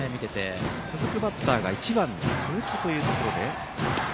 続くバッターは１番の鈴木というところで。